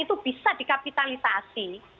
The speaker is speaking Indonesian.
itu bisa dikapitalisasi